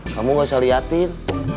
kamu gak usah liatin